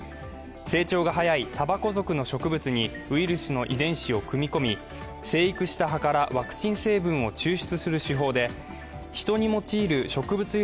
成長が早いタバコ属の植物にウイルスの遺伝子を組み込み、生育した葉からワクチン成分を抽出する手法で、人に用いる植物